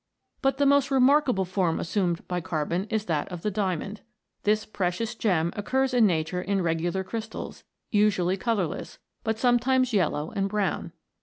But the most remarkable form assumed by carbon is that of the diamond. This precious gem occurs in nature in regular crystals, usually colourless, but sometimes yellow and brown.